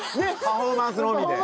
パフォーマンスのみで？